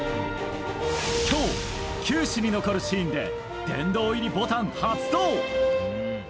今日、球史に残るシーンで殿堂入りボタン発動！